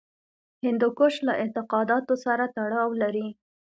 هندوکش له اعتقاداتو سره تړاو لري.